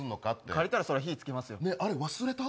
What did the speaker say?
借りたらそれは火つけますよ。